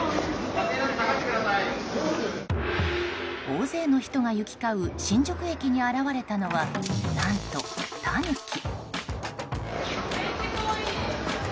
大勢の人が行き交う新宿駅に現れたのは何と、タヌキ。